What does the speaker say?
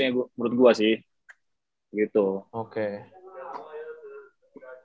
jadi generasi generasi seperti ini yang musti selipin gitu loh